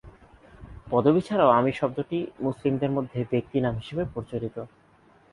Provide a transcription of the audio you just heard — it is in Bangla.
পদবি ছাড়াও "আমির" শব্দটি মুসলিমদের মধ্যে ব্যক্তি নাম হিসেবে প্রচলিত।